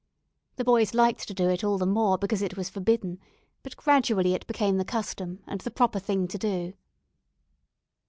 The boys liked to do it all the more, because it was forbidden, but gradually it became the custom, and the proper thing to do.